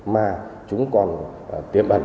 mà chúng còn tiềm ẩn